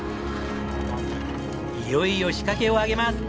いよいよ仕掛けを上げます！